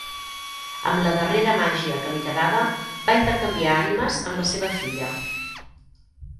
Amb la darrera màgia que li quedava va intercanviar ànimes amb la seva filla.